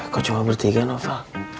kok cuma bertiga noh fah